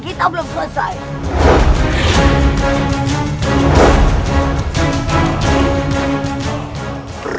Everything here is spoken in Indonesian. dan aku akan menerima kesalahanmu